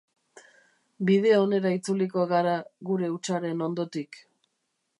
Bide onera itzuliko gara gure hutsaren ondotik.